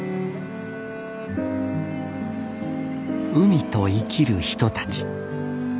海と生きる人たち。